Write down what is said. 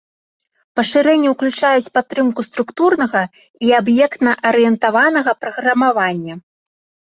Пашырэнні ўключаюць падтрымку структурнага і аб'ектна-арыентаванага праграмавання.